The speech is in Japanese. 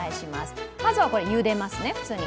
まずはゆでますね、普通に。